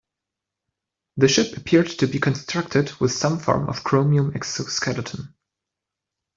The ship appeared to be constructed with some form of chromium exoskeleton.